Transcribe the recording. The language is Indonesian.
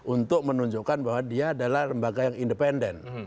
untuk menunjukkan bahwa dia adalah lembaga yang independen